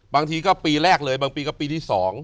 บางทีก็ปีแรกเลยบางปีก็ปีที่๒